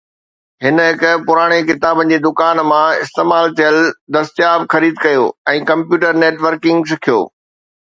هن هڪ پراڻي ڪتابن جي دڪان مان استعمال ٿيل دستياب خريد ڪيو ۽ ڪمپيوٽر نيٽ ورڪنگ سکيو.